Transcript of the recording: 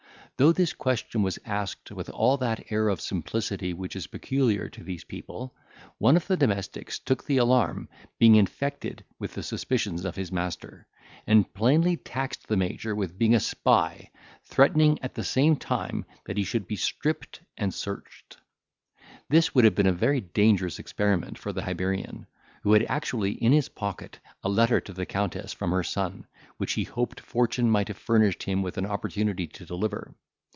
Though this question was asked with all that air of simplicity which is peculiar to these people, one of the domestics took the alarm, being infected with the suspicions of his master, and plainly taxed the Major with being a spy, threatening at the same time that he should be stripped and searched. This would have been a very dangerous experiment for the Hibernian, who had actually in his pocket a letter to the Countess from her son, which he hoped fortune might have furnished him with an opportunity to deliver.